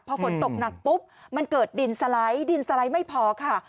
พอฝนตกหนักปุ๊บมันเกิดดินสไลด์ดินสไลด์ไม่พอค่ะ